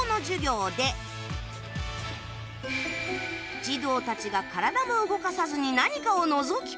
児童たちが体も動かさずに何かをのぞき込んでいる